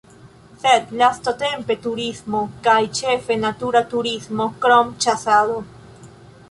Sed lastatempe turismo kaj ĉefe natura turismo, krom ĉasado.